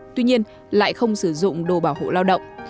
tuy nhiên lại không sử dụng đồ bảo hộ lao động